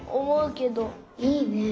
いいね。